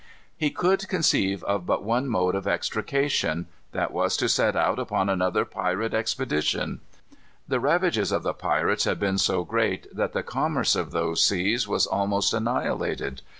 He could conceive of but one mode of extrication. That was to set out upon another piratic expedition. The ravages of the pirates had been so great that the commerce of those seas was almost annihilated.